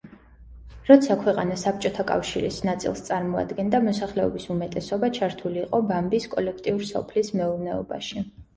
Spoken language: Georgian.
როცა ქვეყანა საბჭოთა კავშირის ნაწილს წარმოადგენდა მოსახლეობის უმეტესობა ჩართული იყო ბამბის კოლექტიურ სოფლის მეურნეობაში.